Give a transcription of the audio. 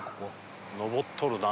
上っとるな。